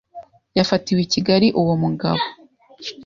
yafatiwe i Kigali uwo mugabo